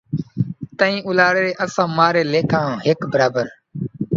تئیں اُلارے، اساں مارے لیکھا ہک برابر